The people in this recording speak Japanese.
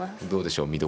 どうでしょう。